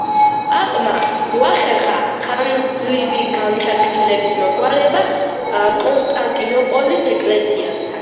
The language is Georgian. პაპმა მოახერხა ხანგრძლივი განხეთქილების მოგვარება კონსტანტინოპოლის ეკლესიასთან.